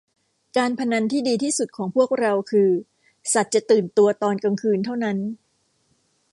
การพนันที่ดีทีสุดของพวกเราคือสัตว์จะตื่นตัวตอนกลางคืนเท่านั้น